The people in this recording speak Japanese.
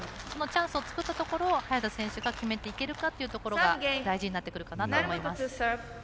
そのチャンスを作ったところ早田選手が決めていけるかというところが大事になってくるかなと思います。